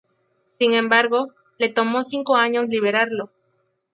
Sin embargo, le tomó cinco años liberarlo.